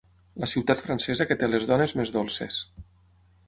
La ciutat francesa que té les dones més dolces.